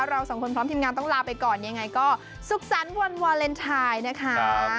เราสองคนพร้อมทีมงานต้องลาไปก่อนยังไงก็สุขสรรค์วันวาเลนไทยนะคะ